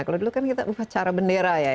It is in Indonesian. kalau dulu kan kita upacara bendera ya